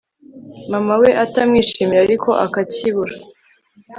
mama we atamwishimira ariko akacyibura